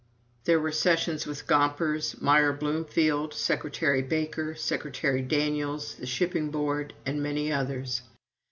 There were sessions with Gompers, Meyer Bloomfield, Secretary Baker, Secretary Daniels, the Shipping Board, and many others.